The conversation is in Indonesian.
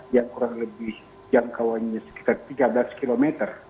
yang kurang lebih jangkauannya sekitar tiga belas km